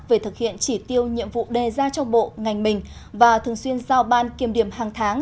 về thực hiện chỉ tiêu nhiệm vụ đề ra cho bộ ngành mình và thường xuyên giao ban kiềm điểm hàng tháng